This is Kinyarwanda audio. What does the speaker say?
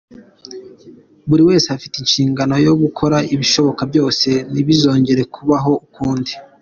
Buri wese afite inshingano yo gukora ibishoboka byose ntibizongere kubaho ukundi.